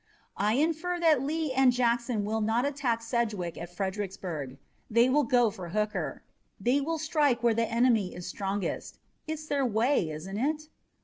"I infer that Lee and Jackson will not attack Sedgwick at Fredericksburg. They will go for Hooker. They will strike where the enemy is strongest. It's their way, isn't it?"